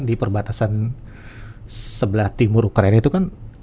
di perbatasan sebelah timur ukraina itu kan